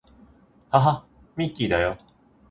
はは、ミッキーだよ